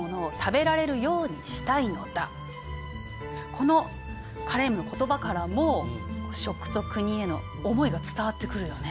このカレームの言葉からも食と国への思いが伝わってくるよね。